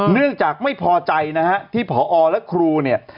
เนื่องจากไม่พอใจนะฮะที่ผอและครูเนี่ย